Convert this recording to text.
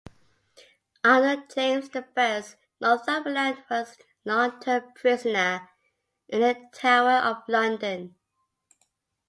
Under James the First, Northumberland was a long-term prisoner in the Tower of London.